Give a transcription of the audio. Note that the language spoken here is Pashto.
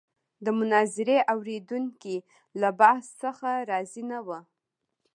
د مناظرې اورېدونکي له بحث څخه راضي نه وو.